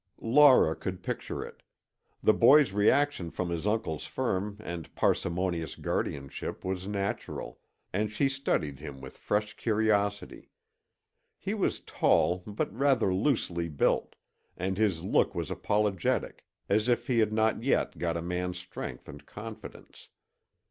Laura could picture it. The boy's reaction from his uncle's firm and parsimonious guardianship was natural, and she studied him with fresh curiosity. He was tall but rather loosely built, and his look was apologetic, as if he had not yet got a man's strength and confidence.